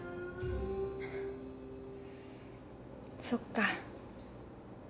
そっか。